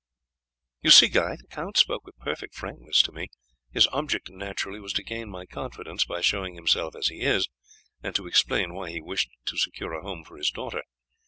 "You see, Guy, the count spoke with perfect frankness to me. His object naturally was to gain my confidence by showing himself as he is, and to explain why he wished to secure a home for his daughter.